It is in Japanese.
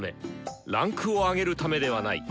位階を上げるためではない。